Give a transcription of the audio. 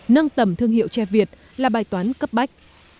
nâng tầm thương hiệu tre việt là bài toán cấp bách